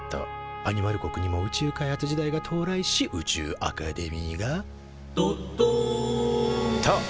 アニマル国にも宇宙開発時代が到来し宇宙アカデミーが「どっどん！」と誕生。